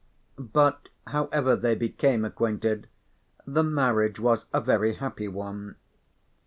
But however they became acquainted the marriage was a very happy one.